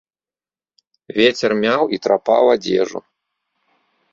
Вецер мяў і трапаў адзежу.